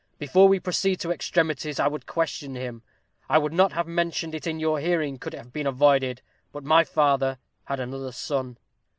Before we proceed to extremities, I would question him. I would not have mentioned it in your hearing could it have been avoided, but my father had another son."